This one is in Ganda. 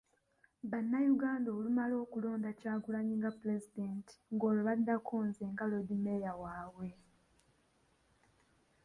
Bannayuganda olunaamala okulonda Kyagulanyi nga Pulezidenti ng'olwo baddako nze nga Loodimmeeya waabwe.